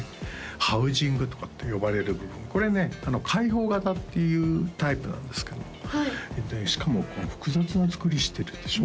ハウジングとかって呼ばれる部分これね開放型っていうタイプなんですけどもしかも複雑な作りしてるでしょ